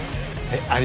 えっ？